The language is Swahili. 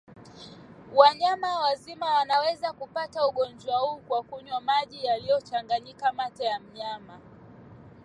Wanyama wazima wanaweza kupata ugonjwa huu kwa kunywa maji yaliyochanganyika na mate ya mnyama